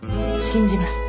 信じます。